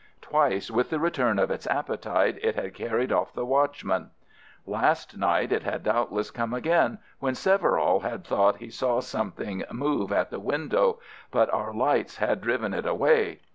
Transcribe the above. Twice with the return of its appetite it had carried off the watchman. Last night it had doubtless come again, when Severall had thought he saw something move at the window, but our lights had driven it away.